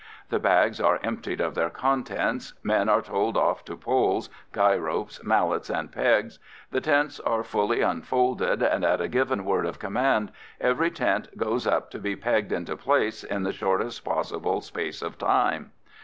The bags are emptied of their contents; men are told off to poles, guy ropes, mallets and pegs; the tents are fully unfolded, and, at a given word of command, every tent goes up to be pegged into place in the shortest possible space of time.